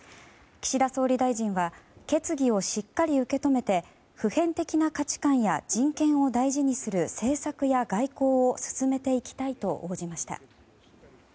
岸田総理大臣は決議をしっかり受け止めて普遍的な価値観や人権を大事にする政策や外交を進めていきたいと応じました。